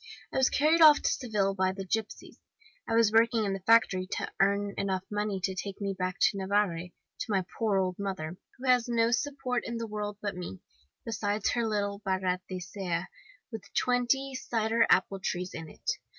'I was carried off to Seville by the gipsies. I was working in the factory to earn enough money to take me back to Navarre, to my poor old mother, who has no support in the world but me, besides her little barratcea* with twenty cider apple trees in it.